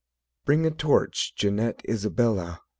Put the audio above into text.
Bring a torch, Jeanette, Isabella!